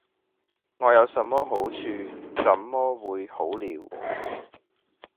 我有什麼好處，怎麼會「好了」？